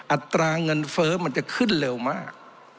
อัตราเงินเฟ้อมันจะขึ้นเร็วมาก